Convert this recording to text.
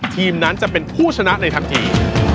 ทีมนั้นจะเป็นผู้ชนะในทันที